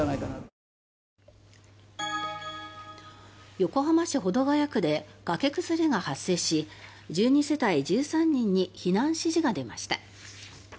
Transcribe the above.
横浜市保土ケ谷区で崖崩れが発生し１２世帯１３人に避難指示が出ました。